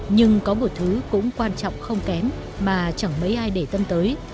nhưng có một thứ cũng quan trọng không kém mà chẳng mấy ai để tâm tới